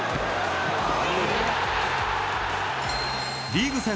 リーグ戦